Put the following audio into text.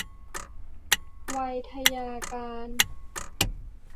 ไวทยการ